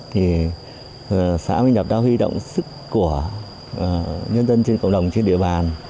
thì xã minh lập đã huy động sức của nhân dân trên cộng đồng trên địa bàn